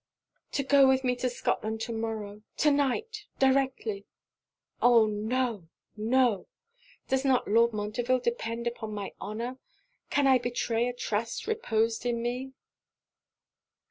'To go with me to Scotland to morrow to night directly!' 'Oh, no! no! Does not Lord Montreville depend upon my honour? can I betray a trust reposed in me?'